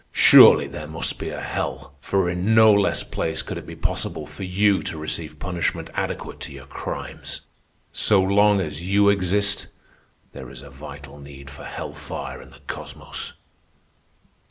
Surely there must be a hell, for in no less place could it be possible for you to receive punishment adequate to your crimes. So long as you exist, there is a vital need for hell fire in the Cosmos."